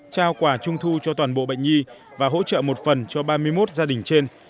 trao quà trung thu cho toàn bộ bệnh nhi và hỗ trợ một phần cho ba mươi một gia đình trên